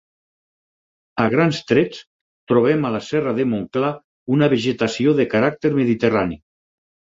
A grans trets, trobem a la Serra de Montclar una vegetació de caràcter mediterrani.